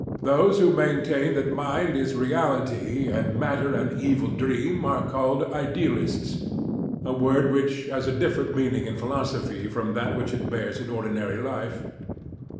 Those who maintain that mind is the reality and matter an evil dream are called "idealists" a word which has a different meaning in philosophy from that which it bears in ordinary life.